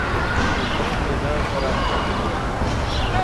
پټ مې ځان سره خوندي کړل